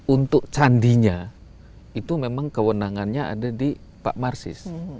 untuk candinya itu memang kewenangannya ada di pak marsis